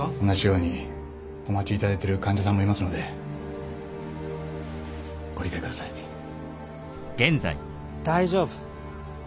同じようにお待ちいただいてる患者さんもいますのでご理解ください大丈夫。